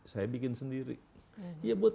saya bikin sendiri dia buat